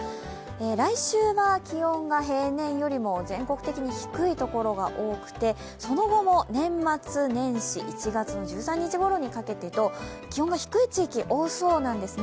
来週は気温が平年よりも全国的に低い所が多くてその後も年末年始、１月の１３日ごろにかけてと、気温が低い地域多そうなんですね。